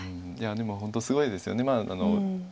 いやでも本当すごいですよね。